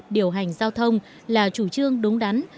điều hành giao thông là chủ trương đúng đắn